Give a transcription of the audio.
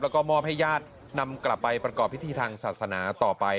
แล้วก็มอบให้ญาตินำกลับไปประกอบพิธีทางศาสนาต่อไป